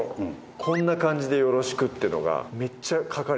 「こんな感じでよろしく」ってのがめっちゃ書かれてます。